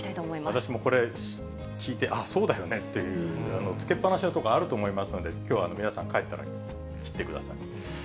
私もこれ、聞いて、ああ、そうだよねっていう、つけっぱなしの所とかある思いますので、きょう、皆さん帰ったら切ってください。